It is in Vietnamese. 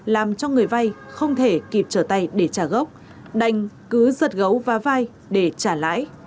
làm cho người vay không thể kịp trở tay để trả gốc đành cứ giật gấu vá vai để trả lãi